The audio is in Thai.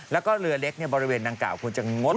แล้วก็เรือเล็กบริเวณดังกล่าควรจะงด